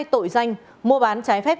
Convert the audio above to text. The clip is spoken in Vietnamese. hai tội danh mua bán trái phép